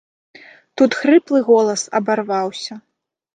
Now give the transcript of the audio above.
Тут хрыплы голас абарваўся.